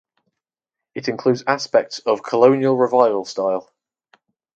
It includes aspects of Colonial Revival style.